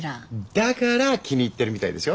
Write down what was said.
だから気に入ってるみたいですよ。